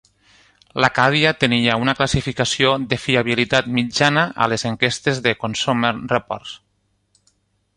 L'Acadia tenia una classificació de fiabilitat mitjana a les enquestes de "Consumer Reports".